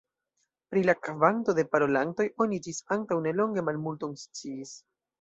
Pri la kvanto de parolantoj oni ĝis antaŭ nelonge malmulton sciis.